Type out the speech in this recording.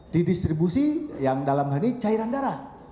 didistribusi yang dalam hal ini cairan darah